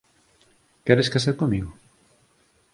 Queres casar comigo?